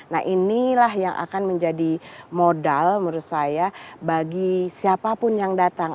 nah inilah yang akan menjadi modal menurut saya bagi siapapun yang datang